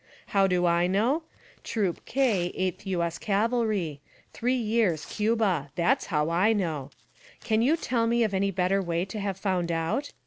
How do I know? Troop K, 8th U. S. Cavalry. Three years, Cuba. That is how I know. Can you tell me of any better way to have found out?